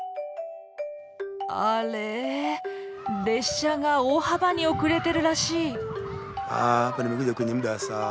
あれ列車が大幅に遅れてるらしい。